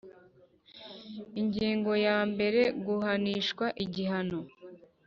Ingingo ya mbere Guhanishwa igihano